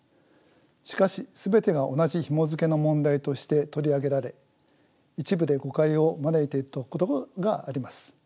しかし全てが同じひもづけの問題として取り上げられ一部で誤解を招いているところがあります。